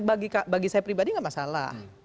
bagi saya pribadi nggak masalah